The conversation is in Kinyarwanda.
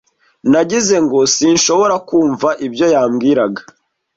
Nagize ngo sinshobora kumva ibyo yambwiraga.